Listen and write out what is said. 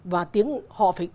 và tiếng họ phải